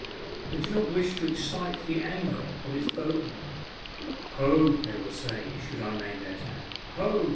I do not wish to excite the anger of its boatmen. " Ho !" they will say, should I name their town. " Ho